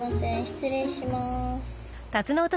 失礼します。